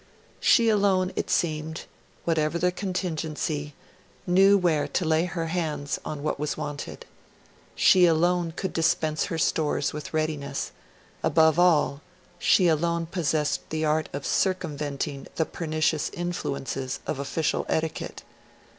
She alone, it seemed, whatever the contingency, knew where to lay her hands on what was wanted; she alone could dispense her stores with readiness; above all, she alone possessed the art of circumventing the pernicious influences of official etiquette.